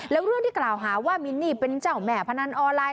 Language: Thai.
แล้วเรื่องที่กล่าวหาว่ามินนี่เป็นเจ้าแม่พนันออนไลน์